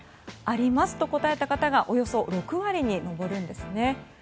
ありますと答えた方がおよそ６割に上るんですね。